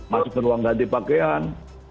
masuk ke ruang ganti pakaian